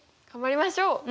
頑張りましょう！